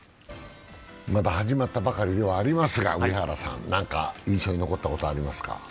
まだ始まったばかりではありますが、何か印象に残ったことありますか？